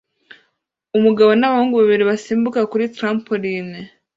Umugabo nabahungu babiri basimbutse kuri trampoline